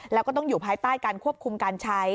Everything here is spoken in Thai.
แล้วก็ต้องอยู่ภายใต้การควบคุมการใช้